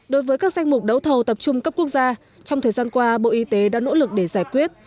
đối với các danh mục đấu thầu tập trung cấp quốc gia trong thời gian qua bộ y tế đã nỗ lực để giải quyết